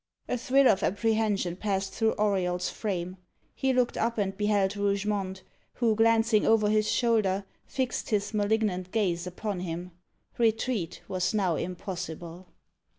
A thrill of apprehension passed through Auriol's frame. He looked up and beheld Rougemont, who, glancing over his shoulder, fixed his malignant gaze upon him. Retreat was now impossible.